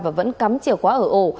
và vẫn cắm chìa khóa ở ổ